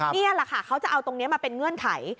นี่แหละค่ะเขาจะเอาตรงนี้มาเป็นเงื่อนไข